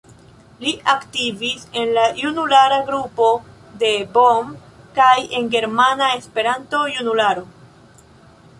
Li aktivis en la junulara grupo de Bonn kaj en Germana Esperanto-Junularo.